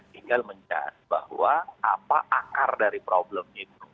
tinggal mencari bahwa apa akar dari problem itu